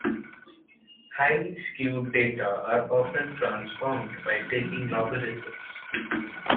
Highly skewed data are often transformed by taking logarithms.